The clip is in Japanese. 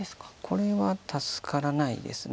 これは助からないです。